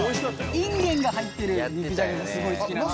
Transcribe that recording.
インゲンが入ってる肉じゃががすごい好きなんで。